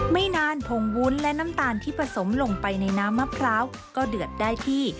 ไม่นานผงวุ้นและน้ำตาลที่ผสมลงไปในน้ำมะพร้าวก็เดือดได้ที่